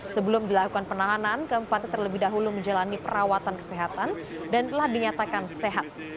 sebelum dilakukan penahanan keempatnya terlebih dahulu menjalani perawatan kesehatan dan telah dinyatakan sehat